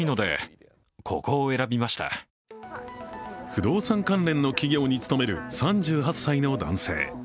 不動産関連の企業に勤める３８歳の男性。